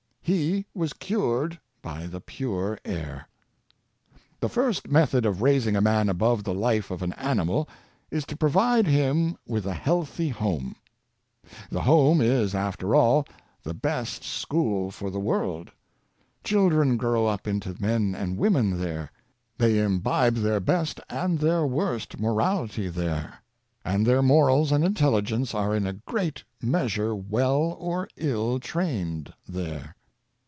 He was cured by the pure air. The first method of raising a man above the life of an animal is to provide him with a healthy home. The home is, after all, the best school for the world. Chil dren grow up into men and women there; they imbibe their best and their worst morality there; and their morals and intelligence are in a great measure well or ill trained there.